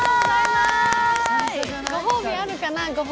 ご褒美あるかな？